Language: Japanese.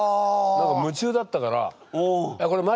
何か夢中だったから。